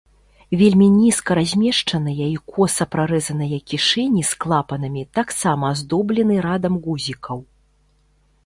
Вельмі нізка размешчаныя і коса прарэзаныя кішэні з клапанамі таксама аздоблены радам гузікаў.